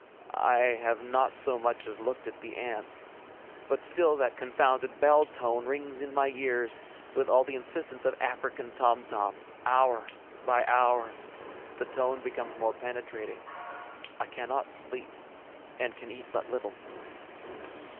I have not so much as looked at the ants, but still that confounded bell tone rings in my ears with all the insistence of African tom toms. Hour by hour ... the tone becomes more penetrating. I cannot sleep, and can eat but little.